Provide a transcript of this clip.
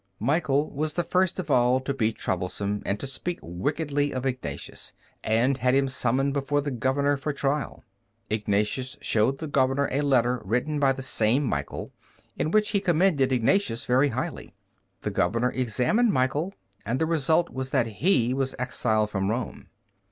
Michael was the first of all to be troublesome and to speak wickedly of Ignatius, and had him summoned before the governor for trial. Ignatius showed the governor a letter written by the same Michael, in which he commended Ignatius very highly. The governor examined Michael, and the result was that he was exiled from Rome.